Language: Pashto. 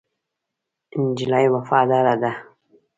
نجلۍ وفاداره ده.